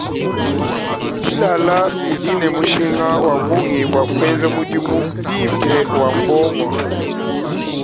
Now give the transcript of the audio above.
Dilala didi ne mushinga wa bungi bua kuenza mudimu bimpe wa buongo.